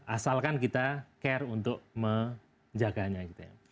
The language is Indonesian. asalkan kita care untuk menjaganya gitu ya